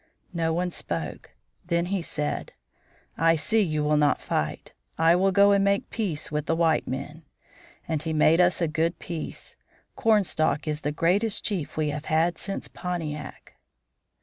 No one spoke. Then he said: 'I see you will not fight. I will go and make peace with the white men.' And he made us a good peace. Cornstalk is the greatest chief we have had since Pontiac."